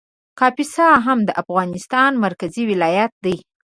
کاپیسا هم د افغانستان مرکزي ولایت دی